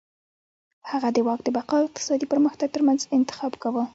هغه د واک د بقا او اقتصادي پرمختګ ترمنځ انتخاب کاوه.